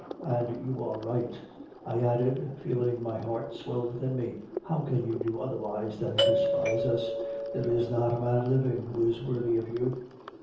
And you are right,' I added, feeling my heart swell within me; 'how can you do otherwise than despise us? There is not a man living who is worthy of you.